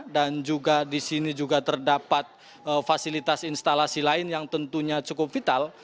dan di sini juga terdapat fasilitas instalasi lain yang tentunya cukup vital